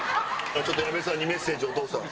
ちょっと矢部さんにメッセージを、お父さん。